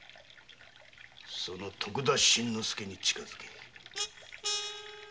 その徳田新之助に近づけ。